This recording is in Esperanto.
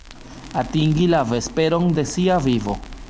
Atingi la vesperon de sia vivo.